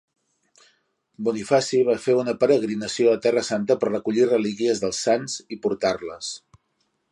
Bonifaci va fer una peregrinació a Terra Santa per recollir relíquies dels sants i portar-les.